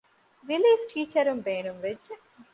ރިލީފް ޓީޗަރުން ބޭނުންވެއްޖެ